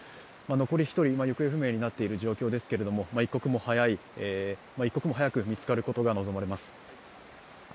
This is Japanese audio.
残り１人、行方不明になっている状況ですけども、一刻も早く見つかることが望まれます。